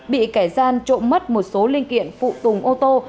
bị kẻ gian trộm mất một số linh kiện phụ tùng ô tô